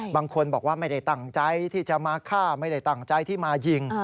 บางคนบอกว่าไม่ได้ตั้งใจที่จะมาฆ่าไม่ได้ตั้งใจที่มายิง